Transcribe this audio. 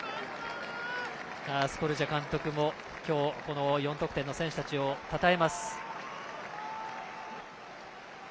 スコルジャ監督も今日４得点の選手たちをたたえました。